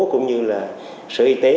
cũng như là sự y tế